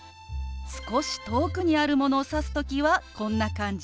少し遠くにあるものを指す時はこんな感じ。